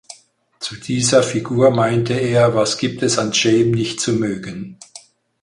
Zu dieser Figur meinte er: „Was gibt es an Jaime nicht zu mögen?